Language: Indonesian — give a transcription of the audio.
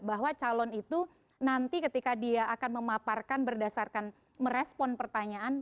bahwa calon itu nanti ketika dia akan memaparkan berdasarkan merespon pertanyaan